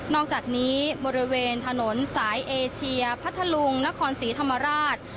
อกจากนี้บริเวณถนนสายเอเชียพัทธลุงนครศรีธรรมราช